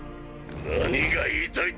何が言いたいってんだ！